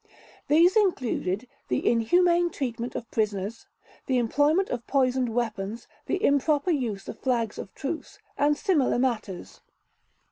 These included the inhumane treatment of prisoners, the employment of poisoned weapons, the improper use of flags of truce, and similar matters.